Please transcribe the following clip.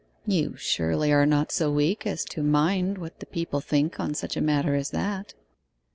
'You surely are not so weak as to mind what the people think on such a matter as that?